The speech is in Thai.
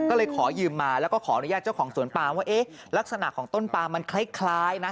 ก็เลยขอยืมมาแล้วก็ขออนุญาตเจ้าของสวนปามว่าเอ๊ะลักษณะของต้นปลามันคล้ายนะ